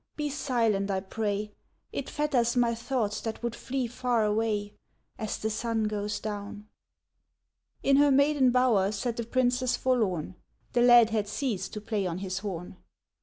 Be silent, I pray, It fetters my thoughts that would flee far away. As the sun goes down." In her maiden bower sat the Princess forlorn, The lad had ceased to play on his horn.